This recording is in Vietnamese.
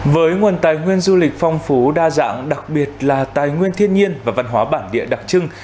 với nguồn tài nguyên du lịch phong phú đa dạng đặc biệt là tài nguyên thiên nhiên và văn hóa bản địa đặc trưng